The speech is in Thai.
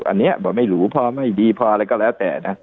อันนี้บอกไม่รู้พอไม่ดีพออะไรก็แล้วแต่นะ